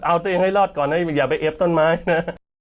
เอาตัวเองให้รอดก่อนนะอย่าไปเอ็บต้นไม้นะ